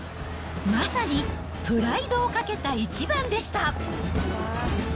まさにプライドをかけた一番でした。